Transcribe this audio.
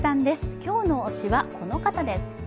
今日の推しはこの方です。